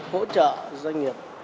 hỗ trợ doanh nghiệp